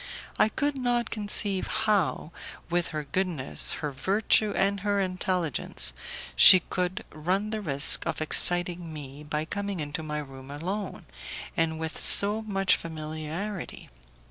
I could not conceive how, with her goodness, her virtue and her intelligence, she could run the risk of exciting me by coming into my room alone, and with so much familiarity.